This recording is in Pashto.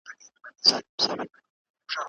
افغانستان له ترکیې څخه کوم ډول جامې او ټوکر واردوي؟